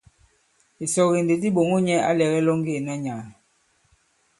Ìsɔge ndi di ɓòŋo nyɛ̄ ǎ lɛ̀gɛ ilɔŋge ìna nyàà.